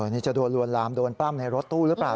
นี่จะโดนลวนลามโดนปล้ำในรถตู้หรือเปล่า